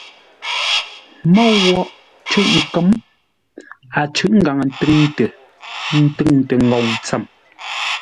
Môu woghʼ cʉ̂ʼ kə̌m, a cʉ̂ʼ ngaŋə ntúŋtə, túŋtə́ ngoŋ tsəm.